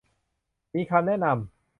มีคำแนะนำ